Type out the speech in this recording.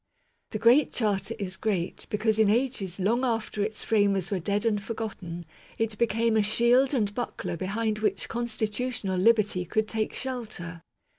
The Great Charter is great because in ages long after its framers were dead and forgotten, it became a shield and buckler behind which constitutional liberty could take shelter.